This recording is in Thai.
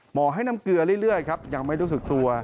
ให้น้ำเกลือเรื่อยครับยังไม่รู้สึกตัว